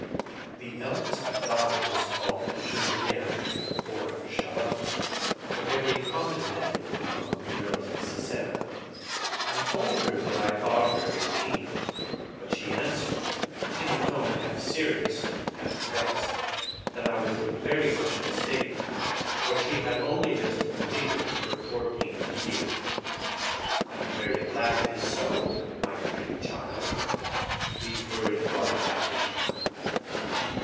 The eldest daughter was called Genevieve, or Javotte, a very common name among the girls of Cesena. I told her that I thought her eighteen; but she answered, in a tone half serious, half vexed, that I was very much mistaken, for she had only just completed her fourteenth year. "I am very glad it is so, my pretty child." These words brought back her smile.